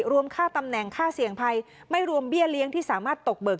รวมค่าตำแหน่งค่าเสี่ยงภัยไม่รวมเบี้ยเลี้ยงที่สามารถตกเบิก